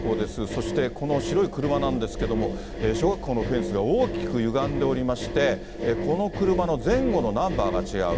そしてこの白い車なんですけども、小学校のフェンスが大きくゆがんでおりまして、この車の前後のナンバーが違う。